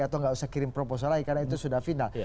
atau nggak usah kirim proposal lagi karena itu sudah final